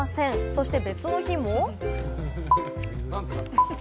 そして別の日も。